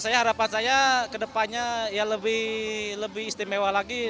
ya harapan saya kedepannya ya lebih istimewa lagi